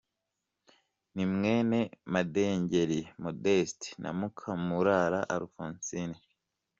Ni mwene Madengeri Modeste na Mukamurara Alphonsine.